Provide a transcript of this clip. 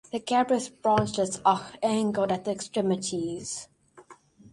The glabrous branchlets are angled at the extremities.